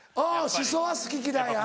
シソは好き嫌いあるか。